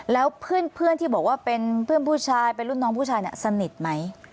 แล้วเพื่อนที่บอกว่าเป็นเพื่อนผู้ชายเป็นรุ่นน้องผู้ชายเนี่ยสนิทไหม